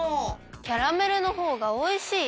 キャラメルのほうがおいしいよ。